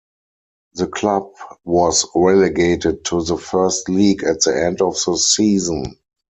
The club was relegated to the First League at the end of the season.